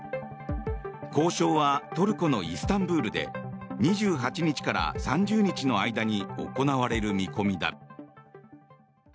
交渉はトルコのイスタンブールで２８日から３０日の間に行われる見込みだ。